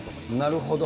なるほど。